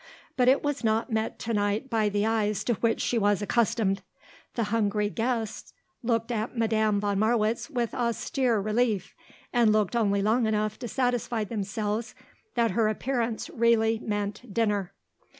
But it was not met to night by the eyes to which she was accustomed. The hungry guests looked at Madame von Marwitz with austere relief and looked only long enough to satisfy themselves that her appearance really meant dinner.